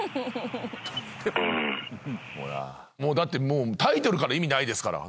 もうタイトルから意味ないですから。